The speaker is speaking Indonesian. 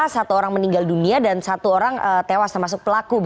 satu orang meninggal dunia dan satu orang tewas termasuk pelaku